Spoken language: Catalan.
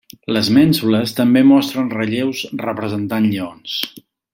Les mènsules també mostren relleus representant lleons.